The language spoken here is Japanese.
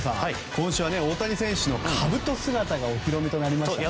今週は大谷選手のかぶと姿がお披露目となりましたね。